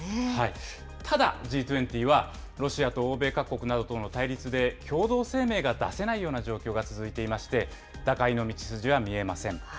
ただ、Ｇ２０は、ロシアと欧米各国などとの対立で共同声明が出せないような状況が続いていまして、打開の道筋は見えません。